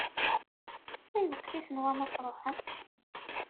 Ayweq i tenwam ad tṛuḥem?